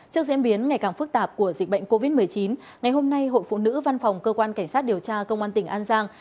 trước diễn biến ngày càng phức tạp của dịch bệnh covid một mươi chín ngày hôm nay hội phụ nữ văn phòng cơ quan cảnh sát điều tra công an tỉnh an giang